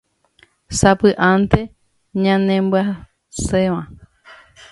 sapy'ánte ñanemyasẽva